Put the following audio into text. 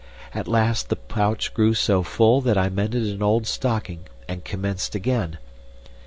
At last the pouch grew so full that I mended an old stocking and commenced again.